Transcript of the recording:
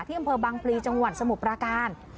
ที่อำเภอบางปรีจังหวัลสมุปราการ